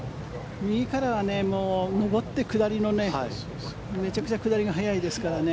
右からは上って下りのめちゃくちゃ下りが速いですからね。